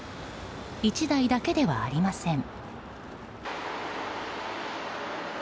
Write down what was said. １台だけではありません。